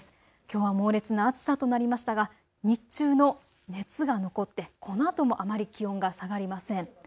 きょうは猛烈な暑さとなりましたが日中の熱が残ってこのあともあまり気温が下がりません。